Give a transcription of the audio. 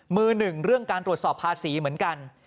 มือหนึ่งเรื่องการตรวจสอบภาษีเหมือนกัน